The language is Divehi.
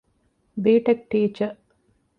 ބީޓެކް ޓީޗަރ